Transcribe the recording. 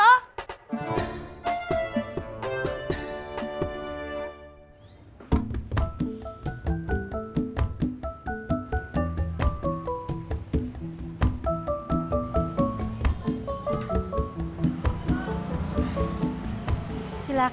y exceedak dustin sebelumnya